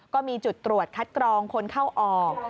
ก็มีจุดตรวจคัดกรองคนเข้าออก